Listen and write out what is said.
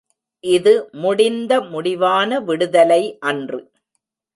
இது முடிந்த முடிவான விடுதலை அன்று.